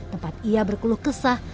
tempat ia berkuluh kesah